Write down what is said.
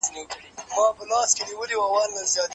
درواغجن باور بایلي